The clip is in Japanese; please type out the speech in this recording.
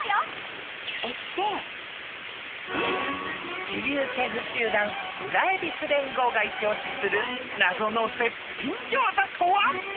［一流シェフ集団裏恵比寿連合がイチオシする謎の絶品ギョウザとは？］